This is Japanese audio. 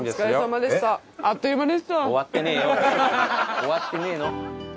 終わってねえの。